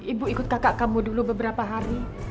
ibu ikut kakak kamu dulu beberapa hari